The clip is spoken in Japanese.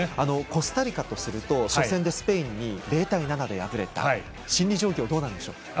コスタリカとすると初戦でスペインに０対７で敗れて心理状況はどうなんでしょう。